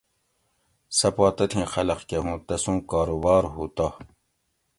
سہ پا تتھی خلق کہ ہوں تسوں کاروبار ہُو تہ